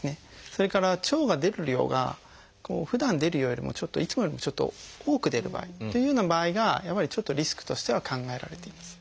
それから腸が出る量がふだん出るよりもいつもよりもちょっと多く出る場合というような場合がやっぱりちょっとリスクとしては考えられています。